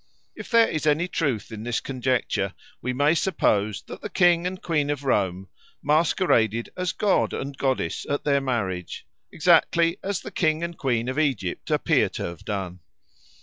If there is any truth in this conjecture, we may suppose that the King and Queen of Rome masqueraded as god and goddess at their marriage, exactly as the King and Queen of Egypt appear to have done.